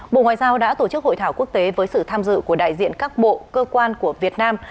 bộ ngoại giao đã tổ chức hội thảo quốc tế với sự tham dự của đại diện các bộ cơ quan của việt nam